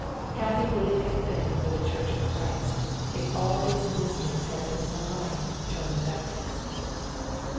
Happy would it have been for the Church of Christ, if all its ministers had been more like John the Baptist